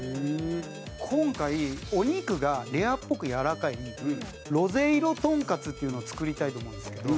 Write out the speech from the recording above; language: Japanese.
今回、お肉がレアっぽく、やわらかいロゼ色とんかつっていうのを作りたいと思うんですけど。